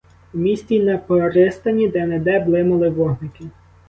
У місті й на пристані де-не-де блимали вогники.